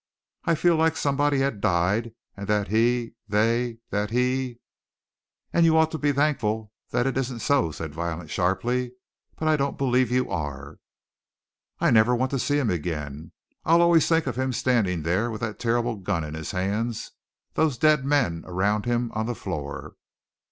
"I feel like somebody had died, and that he they that he " "And you ought to be thankful it isn't so!" said Violet, sharply, "but I don't believe you are." "I never want to see him again, I'll always think of him standing there with that terrible gun in his hands, those dead men around him on the floor!"